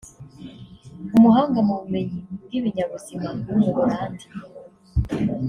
umuhanga mu bumenyi bw’ibinyabuzima w’umuholandi